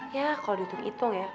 ya kalau ditunggu itung ya